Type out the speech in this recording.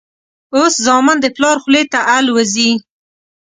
اوس زامن د پلار خولې ته الوزي.